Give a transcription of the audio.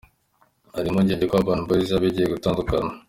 Hari impungenge ko Urban Boys yaba igiye gutandukana.